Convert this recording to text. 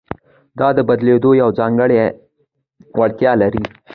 دا د بدلېدو یوه ځانګړې وړتیا لري.